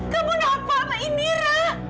kamu nafa apa indira